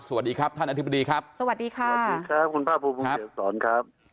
สวัสดีครับท่านอธิบดีครับสวัสดีค่ะสวัสดีครับคุณภาคภูมิคุณเขียนสอนครับ